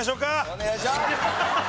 お願いします！